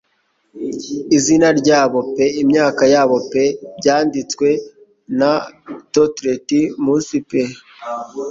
Izina ryabo pe imyaka yabo pe byanditswe na th 'unletter'd Muse pe